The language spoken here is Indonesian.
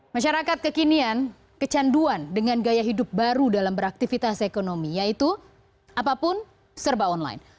masyarakat kekinian kecanduan dengan gaya hidup baru dalam beraktivitas ekonomi yaitu apapun serba online